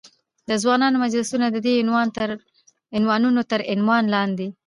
د ځوانانو مجلسونه، ددې عنوانونو تر عنوان لاندې.